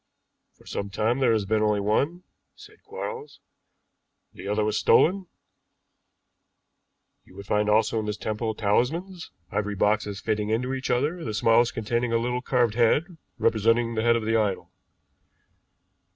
"For some time there has been only one," said Quarles; "the other was stolen. You would find also in this temple talismans, ivory boxes fitting into each other, the smallest containing a little carved head representing the head of the idol.